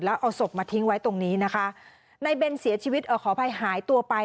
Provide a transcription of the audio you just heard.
แล้วเอาศพมาทิ้งไว้ตรงนี้นะคะนายเบนเสียชีวิตเอ่อขออภัยหายตัวไป